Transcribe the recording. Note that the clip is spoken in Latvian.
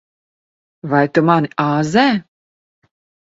Vai tu mani āzē?